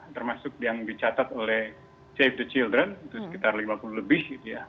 termasuk yang dicatat oleh save the children itu sekitar lima puluh lebih